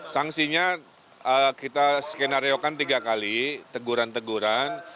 sanksinya kita skenario kan tiga kali teguran teguran